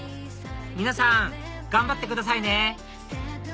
皆さん頑張ってくださいね！